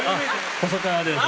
細川です。